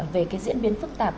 về diễn biến phức tạp